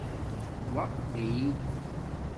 وقت گݶ